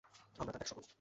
আমরা তার দেখাশোনা করব।